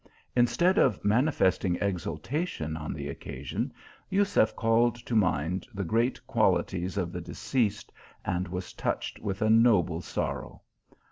Instead of manifest ing exultation on the occasion, Jusef called to mind the great qualities of the deceased, and was touched with a noble sorrow.